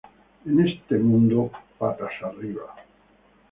En este mundo patas arriba